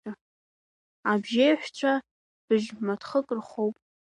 Абжьеиҳәшьцәа бжь-маҭхык рхоуп.